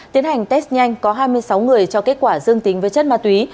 tiến hành test nhanh có hai mươi sáu người cho kết quả dương tính với chất ma túy